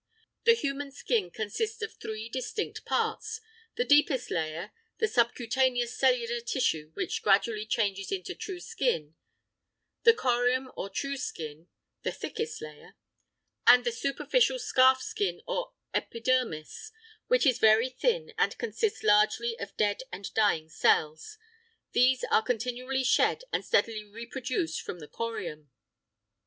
The human skin consists of three distinct parts: the deepest layer, the subcutaneous cellular tissue which gradually changes into true skin; the corium or true skin (the thickest layer); and the superficial scarf skin or epidermis which is very thin and consists largely of dead and dying cells; these are continually shed and steadily reproduced from the corium.